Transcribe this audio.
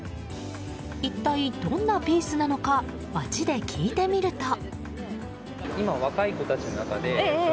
一体どんなピースなのか街で聞いてみると。